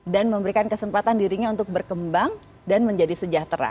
dan memberikan kesempatan dirinya untuk berkembang dan menjadi sejahtera